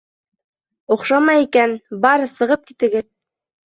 Оҡшамай икән, бар сығып китегеҙ!